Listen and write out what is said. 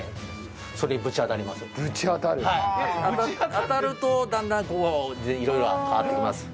当たるとだんだんこう色が変わってきます。